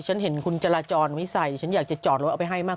ฉันเห็นคุณจราจรวิสัยฉันอยากจะจอดรถเอาไปให้มาก